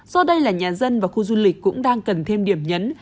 do đây là nhà dân và khu du lịch cũng đang cần thêm điểm nhấn